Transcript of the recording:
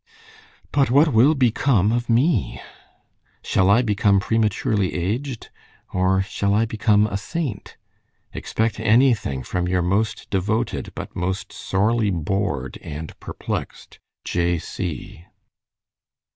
"But what will become of me? Shall I become prematurely aged, or shall I become a saint? Expect anything from your most devoted, but most sorely bored and perplexed, "J. C."